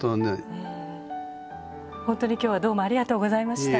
本当に今日はどうもありがとうございました。